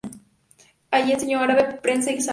Allí enseñó árabe, persa y sánscrito.